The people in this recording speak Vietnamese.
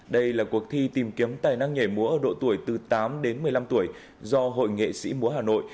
đây là cuộc thi tìm kiếm tài năng nhảy múa ở độ tuổi từ tám đến một mươi năm tuổi do hội nghệ sĩ múa hà nội